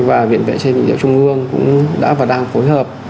và viện vệ chế định địa chung ương cũng đã và đang phối hợp